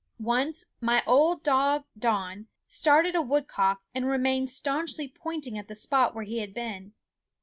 Once my old dog Don started a woodcock and remained stanchly pointing at the spot where he had been.